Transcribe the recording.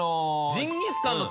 ジンギスカンのタレに。